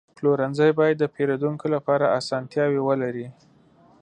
پلورنځی باید د پیرودونکو لپاره اسانتیاوې ولري.